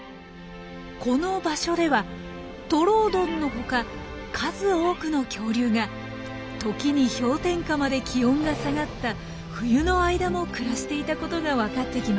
この場所ではトロオドンの他数多くの恐竜が時に氷点下まで気温が下がった冬の間も暮らしていたことが分かってきました。